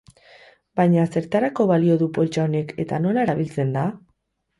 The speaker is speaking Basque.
Baina zertarako balio du poltsa honek eta nola erabiltzen da?